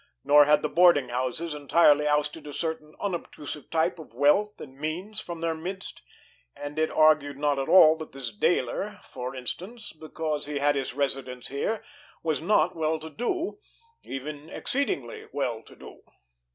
Nor had the boarding houses entirely ousted a certain unobtrusive type of wealth and means from their midst, and it argued not at all that this Dayler, for instance, because he had his residence here, was not well to do, even exceedingly well to do.